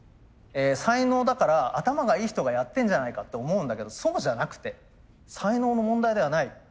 才能だから頭がいい人がやってんじゃないかって思うんだけどそうじゃなくて才能の問題ではない。